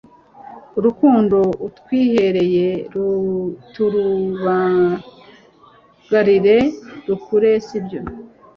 urukundo itwihereye turubagarire rukure, sibyo!